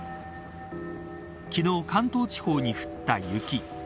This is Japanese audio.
昨日、関東地方に降った雪。